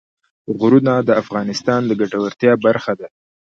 غرونه د افغانانو د ګټورتیا برخه ده.